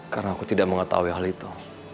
karena aku tidak mau ngetahui hal itu